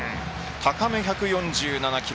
高め、１４７キロ。